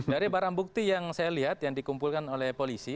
dari barang bukti yang saya lihat yang dikumpulkan oleh polisi